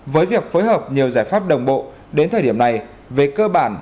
với việc phối hợp nhiều giải pháp đồng bộ đến thời điểm này về cơ bản